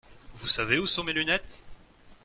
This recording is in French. Vous savez où sont mes lunettes ?